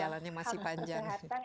jalannya masih panjang